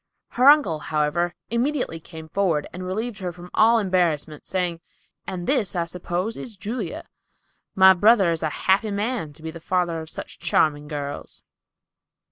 Her uncle, however, immediately came forward, and relieved her from all embarrassment by saying, "And this, I suppose, is Julia. My brother is a happy man to be father of such charming girls."